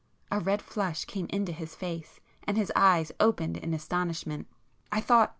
A red flush came into his face, and his eyes opened in astonishment. "I thought